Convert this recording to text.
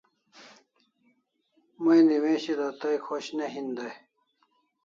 May newishila tay khosh ne hin day